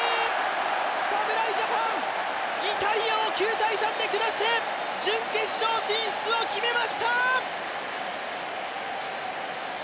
侍ジャパン、イタリアを９−３で下して準決勝進出を決めました！